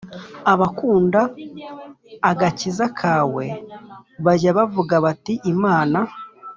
Abakunda agakiza kawe bajye bavuga bati Imana